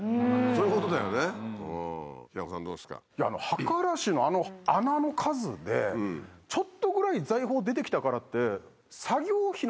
墓荒らしのあの穴の数でちょっとぐらい財宝出て来たからって。